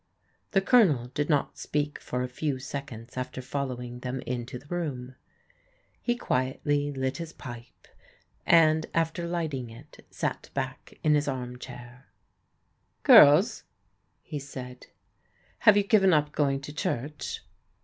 The Colonel did not speak for a few seconds after fol lowing them into the room. He quietly lit his pipe, and ter lifting it sat back in his armchair. THE STORM BREAKS 49 " Girls/' he said^ " have you given up going to church?"